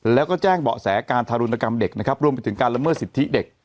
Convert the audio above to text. แล้วก็แจ้งเบาะแสการทารุณกรรมเด็กนะครับรวมไปถึงการละเมิดสิทธิเด็ก